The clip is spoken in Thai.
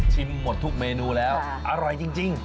หมดทุกเมนูแล้วอร่อยจริง